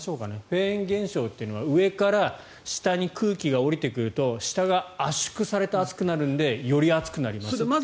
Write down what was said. フェーン現象というのは上から下に空気が下りてくると下が圧縮されて暑くなるのでより暑くなりますよという。